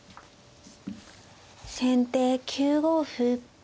先手９五歩。